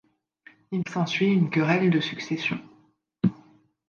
Il s'ensuit une querelle de succession.